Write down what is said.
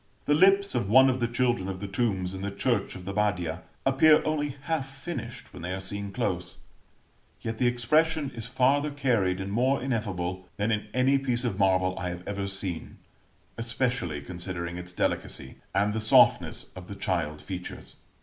The lips of one of the children on the tombs in the church of the Badia, appear only half finished when they are seen close; yet the expression is farther carried and more ineffable, than in any piece of marble I have ever seen, especially considering its delicacy, and the softness of the child features.